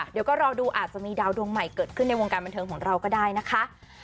เดี๋ยวก็รอดูอาจจะมีดาวดวงใหม่เกิดขึ้นในวงการบันเทิงของเราก็ได้นะคะ